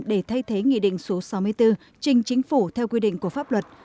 để thay thế nghị định số sáu mươi bốn trình chính phủ theo quy định của pháp luật